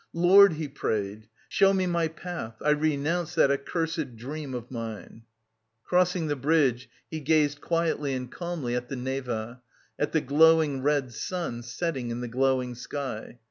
"Lord," he prayed, "show me my path I renounce that accursed... dream of mine." Crossing the bridge, he gazed quietly and calmly at the Neva, at the glowing red sun setting in the glowing sky.